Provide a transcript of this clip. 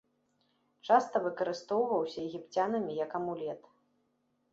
Часта выкарыстоўваўся егіпцянамі як амулет.